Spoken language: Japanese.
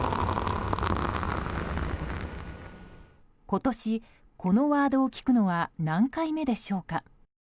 今年、このワードを聞くのは何回目でしょうか。